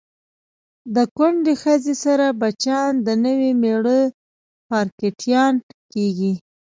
د کونډی خځی سره بچیان د نوي میړه پارکټیان کیږي